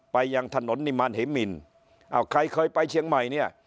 ไปยังถนนนิมารเหมินอ้าวใครเคยไปเชียงใหม่เนี่ย